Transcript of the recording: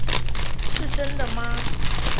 是真的吗？